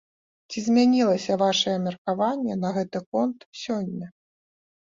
Ці змянілася вашае меркаванне на гэты конт сёння?